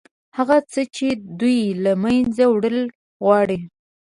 هغه څه چې دوی له منځه وړل غواړي.